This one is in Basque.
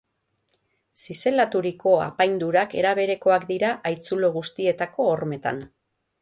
Zizelaturiko apaindurak era berekoak dira haitzulo guztietako hormetan.